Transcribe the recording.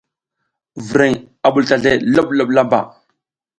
Vreŋ a ɓul tazlay loɓloɓ lamba.